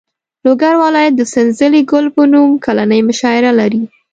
لوګر ولایت د سنځلې ګل په نوم کلنۍ مشاعره لري.